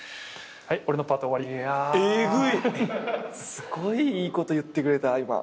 すごいいいこと言ってくれた今。